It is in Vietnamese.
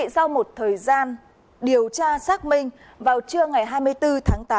sau một thời gian điều tra xác minh vào trưa ngày hai mươi bốn tháng tám